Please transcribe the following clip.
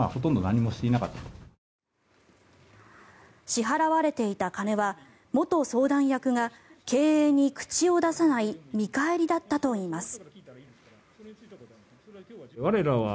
支払われていた金は元相談役が経営に口を出さない見返りだったといいます。